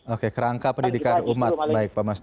oke kerangka pendidikan umat baik pak mas